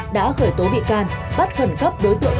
đã khởi tố bị can bắt khẩn cấp đối tượng